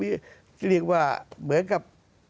เรียกว่าเหมือนกับ